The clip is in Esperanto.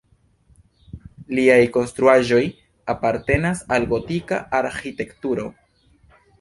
Liaj konstruaĵoj apartenas al gotika arĥitekturo.